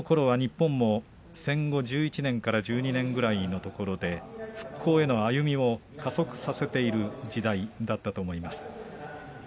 ちょうど昭和３２年の１月そのころは日本も戦後１１年から１２年ぐらいのところで復興への歩みを加速させている時代だったと思います。